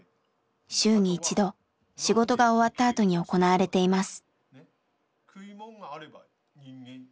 週に一度仕事が終わったあとに行われています。